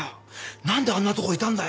なんであんなとこいたんだよ！